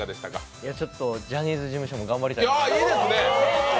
ジャニーズ事務所も頑張りたいと思います。